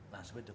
nah seperti itu